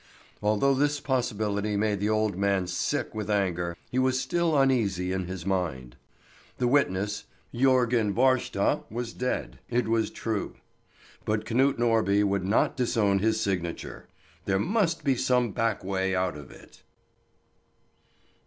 Although this possibility made the old man sick with anger, he was still uneasy in his mind. The witness, Jörgen Haarstad, was dead, it was true; but Knut Norby would not disown his signature. There must be some back way out of it.